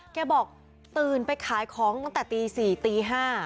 แกบอกตื่นไปขายของตั้งแต่ตี๔ตี๕